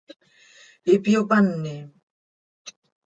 Ihpyopanim.